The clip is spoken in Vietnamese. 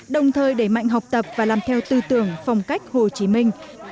đồng thời đẩy mạnh học tập và làm theo tư tưởng phong cách hồ chí minh